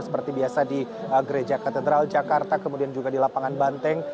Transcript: seperti biasa di gereja katedral jakarta kemudian juga di lapangan banteng